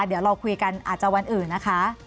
เดี๋ยวเราคุยกันอาจจะวันอื่นนะคะ